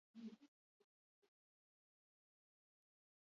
Musika gehienak ere bai, ez denak.